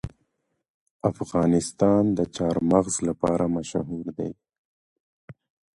افغانستان د چار مغز لپاره مشهور دی.